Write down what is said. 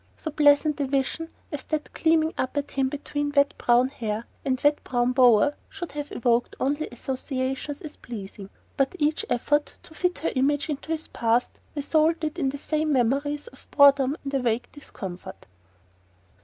So pleasant a vision as that gleaming up at him between wet brown hair and wet brown boa should have evoked only associations as pleasing; but each effort to fit her image into his past resulted in the same memories of boredom and a vague discomfort...